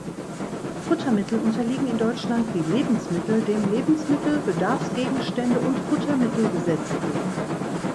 Futtermittel unterliegen in Deutschland wie Lebensmittel dem Lebensmittel-, Bedarfsgegenstände- und Futtermittelgesetzbuch.